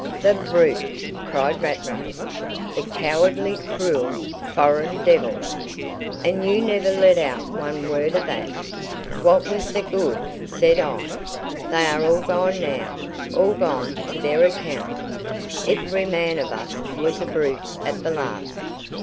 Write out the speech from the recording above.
"The brute!" cried Rattray. "The cowardly, cruel, foreign devil! And you never let out one word of that!" "What was the good?" said I. "They are all gone now all gone to their account. Every man of us was a brute at the last.